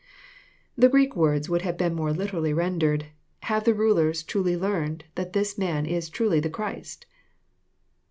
" The Greek words would be more literally rendered, " Have the rulers truly learned that this man is truly the Christ?